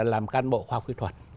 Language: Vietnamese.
làm can bộ khoa học kỹ thuật